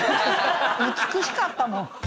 美しかったもん。